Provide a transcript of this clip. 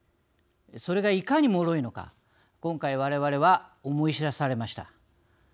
それが、いかにもろいのか今回われわれは思い知らされました。